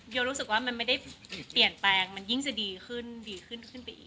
รู้สึกว่ามันไม่ได้เปลี่ยนแปลงมันยิ่งจะดีขึ้นดีขึ้นขึ้นไปอีก